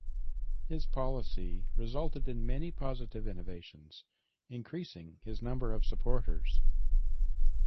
His policy resulted in many positive innovations, increasing his number of supporters.